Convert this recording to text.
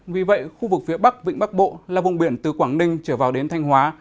vì vậy khu vực phía bắc vịnh bắc bộ là vùng biển từ quảng ninh trở vào đến thanh hóa